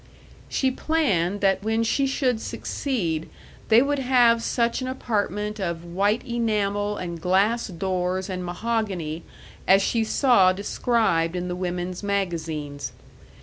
She planned that when she should succeed they would have such an apartment of white enamel and glass doors and mahogany as she saw described in the women's magazines.